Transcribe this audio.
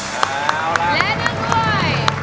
แล้วนี่ด้วย